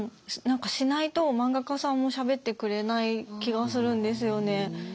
何かしないと漫画家さんもしゃべってくれない気がするんですよね。